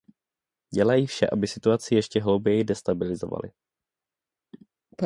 Dělají vše, aby situaci ještě hlouběji destabilizovali.